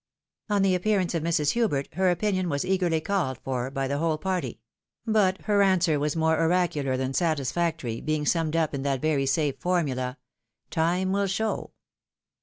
On the appearance of Mrs. Hubert, her opinion was eagerly called for by the whole party ; but her answer was more oracu lar than satisfactory, being summed up in that very safe formula, " Time will show."